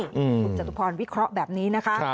คุณจตุพรวิเคราะห์แบบนี้นะคะ